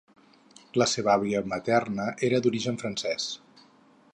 La seva àvia materna era d'origen francès.